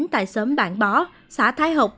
tại xóm bản bó xã thái hộc